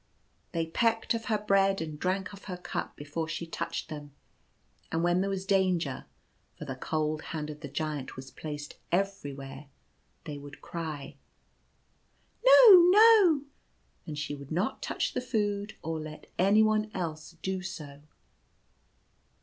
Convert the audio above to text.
" They pecked of her bread and drank of her cup before she touched them ; and when there was danger — for the cold hand of the Giant was placed everywhere — they would cry, "No, no! " and she would not touch the food, or let anyone else do so.